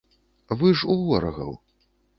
Вы ж у ворагаў.